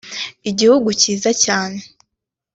igihugu cyiza cyaneeee